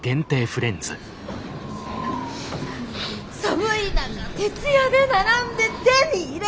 寒い中徹夜で並んで手に入れたのに！